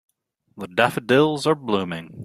The daffodils are blooming.